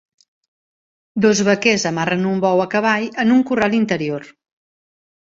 Dos vaquers amarren un bou a cavall en un corral interior.